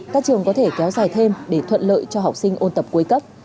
các trường có thể kéo dài thêm để thuận lợi cho học sinh ôn tập cuối cấp